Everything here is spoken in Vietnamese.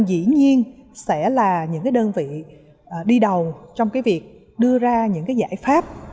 dĩ nhiên sẽ là những đơn vị đi đầu trong việc đưa ra những giải pháp